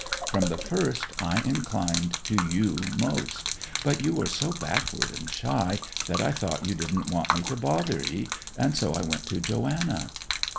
From the first I inclined to you most, but you were so backward and shy that I thought you didn't want me to bother 'ee, and so I went to Joanna.